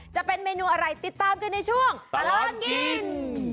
จะเป็นเมนูอะไรติดตามกันในช่วงตลอดกิน